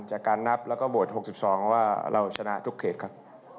จากการนับแล้วก็โหวต๖๒ว่าเราชนะทุกเขตครับ